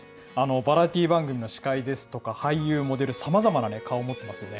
バラエティー番組の司会ですとか、俳優、モデル、さまざまな顔を持ってますよね。